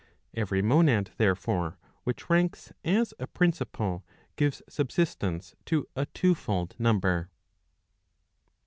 Every monad, therefore, which ranks as a principle, gives subsistence to a two fold number.